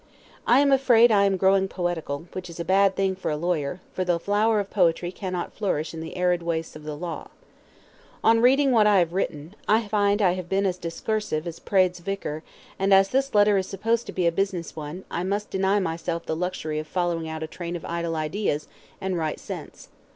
I am afraid I am growing poetical, which is a bad thing for a lawyer, for the flower of poetry cannot flourish in the arid wastes of the law. On reading what I have written, I find I have been as discursive as Praed's Vicar, and as this letter is supposed to be a business one, I must deny myself the luxury of following out a train of idle ideas, and write sense.